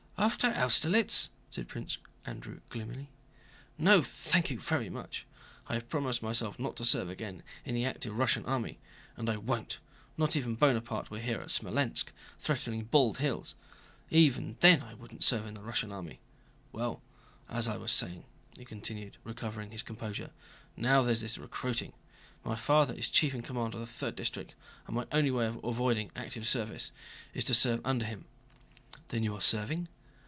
"After Austerlitz!" said Prince Andrew gloomily. "No, thank you very much! I have promised myself not to serve again in the active Russian army. And I won't—not even if Bonaparte were here at Smolénsk threatening Bald Hills—even then I wouldn't serve in the Russian army! Well, as I was saying," he continued, recovering his composure, "now there's this recruiting. My father is chief in command of the Third District, and my only way of avoiding active service is to serve under him." "Then you are serving?"